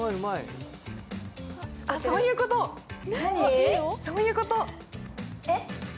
あ、そういうこと？